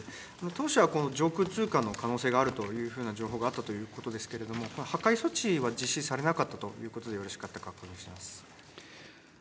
当初はこの上空通過の可能性があるというふうな情報があったということですけれども、破壊措置は実施されなかったということでよろしかったでしょうか。